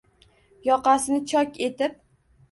Yoqasini chok etib.